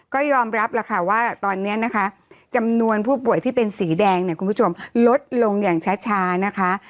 ก็ยอมรับแล้วค่ะว่าตอนนี้นะคะจำนวนผู้ป่วยที่เป็นสีแดงเนี่ยคุณผู้ชมลดลงอย่างช้านะคะ